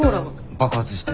爆発して。